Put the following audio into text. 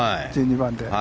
１２番で。